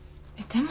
でも。